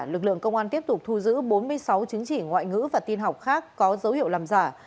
lực lượng công an tiếp tục thu giữ bốn mươi sáu chứng chỉ ngoại ngữ và tin học khác có dấu hiệu làm giả